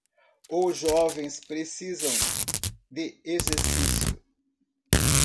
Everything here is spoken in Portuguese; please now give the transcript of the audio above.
Os jovens precisam de exercício